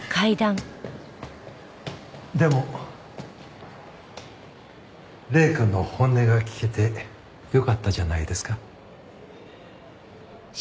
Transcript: でも礼くんの本音が聞けてよかったじゃないですか。